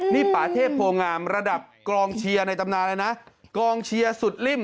นี่ป่าเทพโพงามระดับกองเชียร์ในตำนานเลยนะกองเชียร์สุดลิ่ม